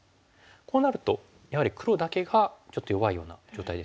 こうなるとやはり黒だけがちょっと弱いような状態ですよね。